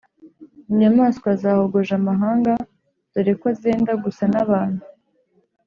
inyamaswa zahogoje amahanga dore ko zenda gusa n’abantu.